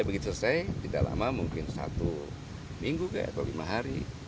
begitu selesai tidak lama mungkin satu minggu atau lima hari